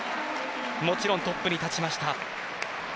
もちろんトップに立ちました。